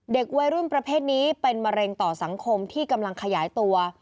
วัยรุ่นประเภทนี้เป็นมะเร็งต่อสังคมที่กำลังขยายตัว